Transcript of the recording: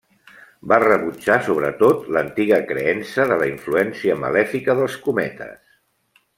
Va rebutjar sobretot l'antiga creença de la influència malèfica dels cometes.